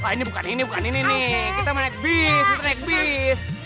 ini bukan ini bukan ini nih kita naik bisrek bis